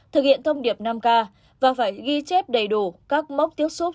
thực hiện thông điệp năm k và phải ghi chép đầy đủ các mốc tiếp xúc